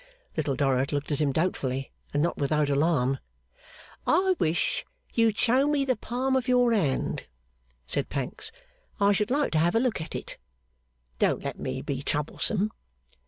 Little Dorrit looked at him doubtfully, and not without alarm. 'I wish you'd show me the palm of your hand,' said Pancks. 'I should like to have a look at it. Don't let me be troublesome.